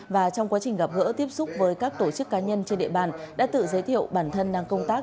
và trong quá trình gặp gỡ tiếp xúc với các tổ chức cá nhân trên địa bàn đã tự giới thiệu bản thân đang công tác